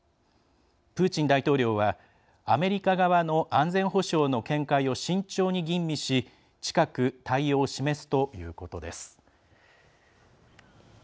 プーチン大統領はアメリカ側の安全保障の見解を慎重に吟味し、近く対応を示すということです。